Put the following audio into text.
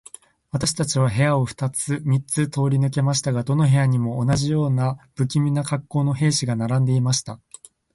私たちは部屋を二つ三つ通り抜けましたが、どの部屋にも、同じような無気味な恰好の兵士が並んでいました。